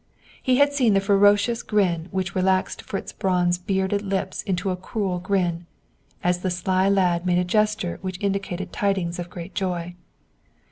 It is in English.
He had seen the ferocious grin which relaxed Fritz Braun's bearded lips into a cruel grin, as the sly lad made a gesture which indicated tidings of great joy.